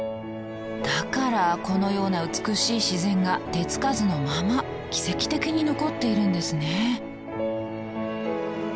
だからこのような美しい自然が手付かずのまま奇跡的に残っているんですね。